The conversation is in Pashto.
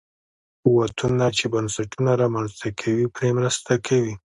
قوتونه چې بنسټونه رامنځته کوي پرې مرسته کوي.